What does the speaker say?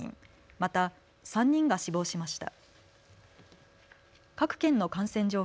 また３人が死亡しました。